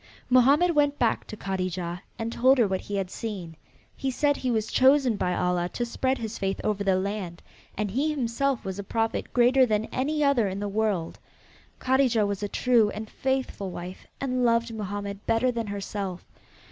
Mohammed went back to Kadijah and told her what he had seen. He said he was chosen by Allah to spread his faith over the land, and he himself was a prophet greater than any other in the world. Kadijah was a true and faithful wife and loved Mohammed better than herself.